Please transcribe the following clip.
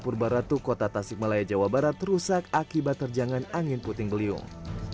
purbaratu kota tasikmalaya jawa barat rusak akibat terjangan angin puting beliung